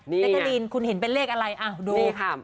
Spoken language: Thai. แจ๊กกะลีนคุณเห็นเป็นเลขอะไรดูค่ะ